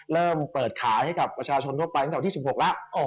เริ่มเปิดขายให้กับประชาชนทั่วไปตั้งแต่วันที่๑๖แล้ว